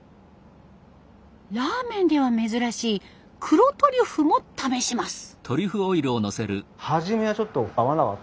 ラーメンでは珍しい黒トリュフも試します。